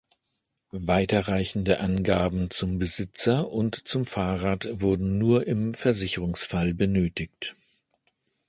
Weiterreichende Angaben zum Besitzer und zum Fahrrad wurden nur im Versicherungsfall benötigt.